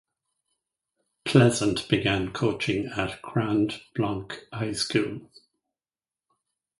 Pleasant began coaching at Grand Blanc High School.